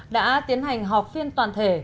đã tiến hành họp phiên toàn thể